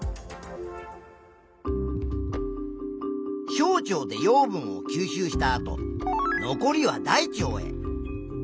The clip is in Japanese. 小腸で養分を吸収したあと残りは大腸へ。